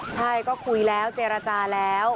ใช่ก็คุยแล้วเจรจาแล้ว